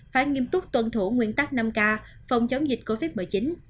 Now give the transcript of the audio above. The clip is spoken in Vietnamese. phải nghiêm túc tuân thủ nguyên tắc năm k phòng chống dịch covid một mươi chín